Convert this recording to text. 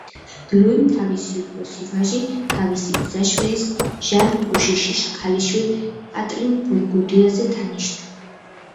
ლუიმ თავისი უფროსი ვაჟი თავისი ბიძაშვილის, ჟან უშიშის ქალიშვილ კატრინ ბურგუნდიელზე დანიშნა.